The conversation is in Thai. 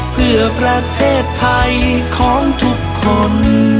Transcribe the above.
เพื่อประเทศไทยของทุกคน